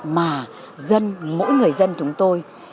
mà dân mỗi người dân chúng tôi